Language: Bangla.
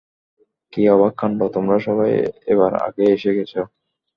কি অবাক কান্ড, তোমরা সবাই এবার আগেই এসে গেছ।